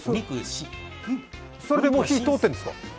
それでもう火は通っているんですか？